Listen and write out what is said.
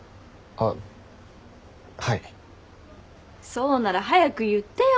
そうなら早く言ってよ！